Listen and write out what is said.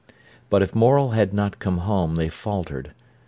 But if Morel had not come they faltered.